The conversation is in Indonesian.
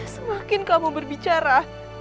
semakin kamu berbicara